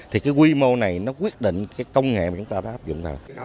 thì quy mô này quyết định công nghệ mà chúng ta đã áp dụng